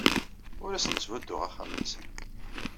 Ur asen-tthudduɣ axxam-nsen.